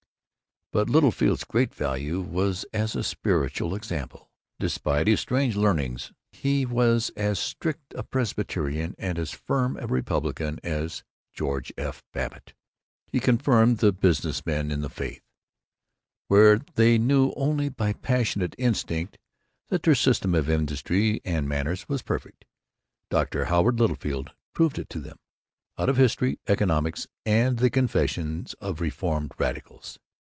But Littlefield's great value was as a spiritual example. Despite his strange learnings he was as strict a Presbyterian and as firm a Republican as George F. Babbitt. He confirmed the business men in the faith. Where they knew only by passionate instinct that their system of industry and manners was perfect, Dr. Howard Littlefield proved it to them, out of history, economics, and the confessions of reformed radicals.